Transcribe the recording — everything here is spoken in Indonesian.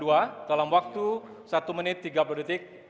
dalam waktu satu menit tiga puluh detik